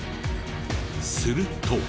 すると。